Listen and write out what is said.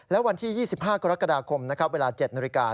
แล้ววันที่๒๕กรกฎาคมนะครับเวลา๗นาฬิกา